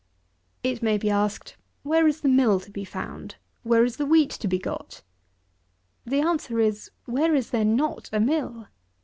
It may be asked, Where is the mill to be found? where is the wheat to be got? The answer is, Where is there not a mill?